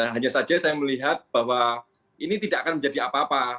hanya saja saya melihat bahwa ini tidak akan menjadi apa apa